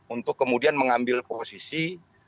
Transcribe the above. untuk kemudian mengambil posisi